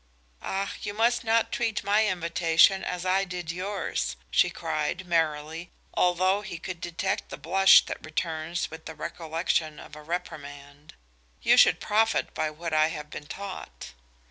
"Ach, you must not treat my invitation as I did yours!" she cried, merrily, although he could detect the blush that returns with the recollection of a reprimand. "You should profit by what I have been taught."